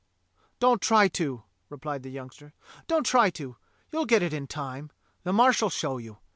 "Don't try to," repHed the youngster, "don't try to. You'll get it in time. The Marsh'll show you.